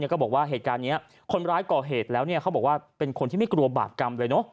ก็บอกว่าเหตุการณ์นี้คนร้ายก่อเหตุแล้วเขาบอกว่าเป็นคนที่ไม่กลัวบาปกรรมเลยเนอะ